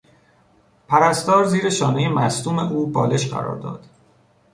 پرستار زیر شانهی مصدوم او بالش قرار داد.